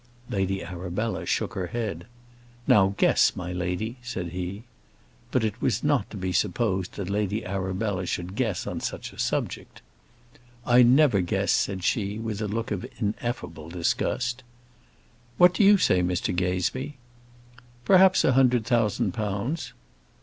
Lady Arabella shook her head. "Now guess, my lady," said he. But it was not to be supposed that Lady Arabella should guess on such a subject. "I never guess," said she, with a look of ineffable disgust. "What do you say, Mr Gazebee?" "Perhaps a hundred thousand pounds."